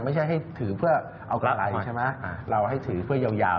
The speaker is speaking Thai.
ไม่ใช่ให้ถือเพื่อเอากำไรเราให้ถือเพื่อยาว